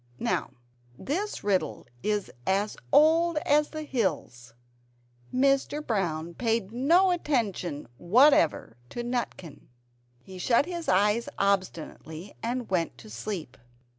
Now this riddle is as old as the hills; Mr. Brown paid no attention whatever to Nutkin. He shut his eyes obstinately and went to sleep.